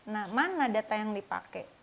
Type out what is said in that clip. nah mana data yang dipakai